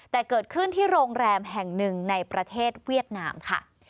แต่เกิดขึ้นที่โรงแรมแห่งหนึ่งในประเทศเวียดนามค่ะ